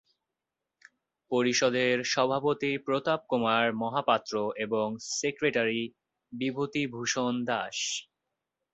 পরিষদের সভাপতি প্রতাপ কুমার মহাপাত্র এবং সেক্রেটারি বিভূতিভূষণ দাস।